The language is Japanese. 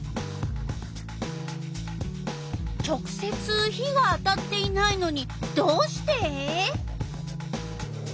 直せつ火が当たっていないのにどうして？